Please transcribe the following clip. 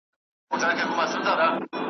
زموږ د افغانستان په مؤرخينو او ليکوالانو کې